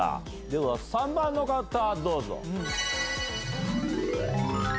では３番の方どうぞ。